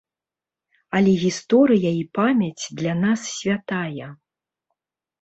Але гісторыя і памяць для нас святая.